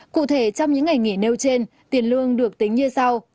cụ thể trong những ngày nghỉ nêu trên tiền lương được tính như sau